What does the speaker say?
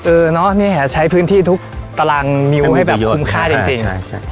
เออเนอะเนี่ยใช้พื้นที่ทุกตารางนิ้วให้แบบคุ้มค่าจริง